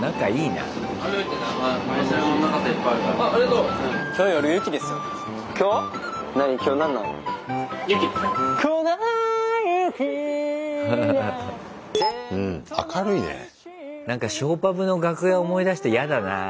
なんかショーパブの楽屋思い出してやだなあ。